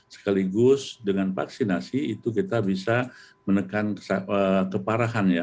sekaligus dengan vaksinasi itu kita bisa menekan keparahan ya